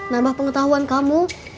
nambah pengetahuan kamu